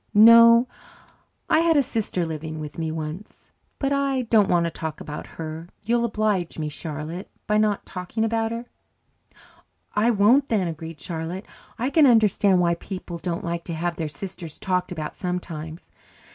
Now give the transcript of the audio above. "No. I had a sister living with me once. But I don't want to talk about her. You'll oblige me, Charlotte, by not talking about her." "I won't then," agreed Charlotte. "I can understand why people don't like to have their sisters talked about sometimes.